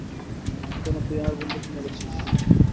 কেন তুই আমার বন্ধুকে মেরেছিস?